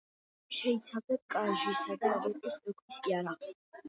შეიცავდა კაჟისა და რიყის ქვის იარაღს.